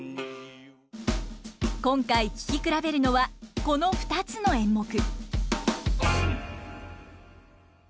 今回聞き比べるのはこの２つの演目。